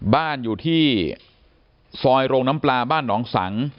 บ้านอยู่ที่ซอยโรงน้ำปลาบ้านหนองสัง